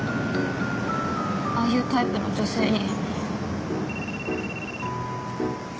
ああいうタイプの女性に。